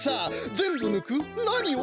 「全部抜く！何を？